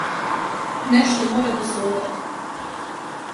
Нешто мора да се уради.